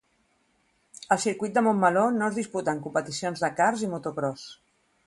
Al Circuit de Montmeló no es disputen competicions de karts i motocròs.